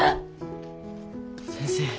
先生。